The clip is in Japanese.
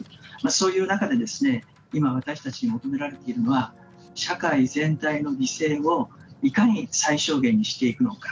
そういう中で今、私たちに求められているのは社会全体の犠牲をいかに最小限にしていくのか。